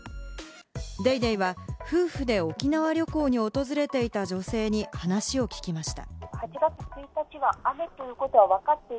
『ＤａｙＤａｙ．』は夫婦で沖縄旅行に訪れていた女性に話を聞きました。